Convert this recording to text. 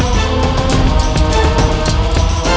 jangan ini sedang penuh dengan kusi coba